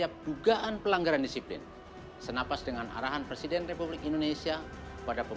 aparat penegak hukum